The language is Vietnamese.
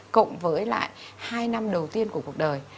cộng với lại hai năm đầu tiên của cuộc đời